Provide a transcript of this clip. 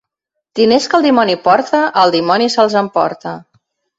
Diners que el dimoni porta, el dimoni se'ls emporta.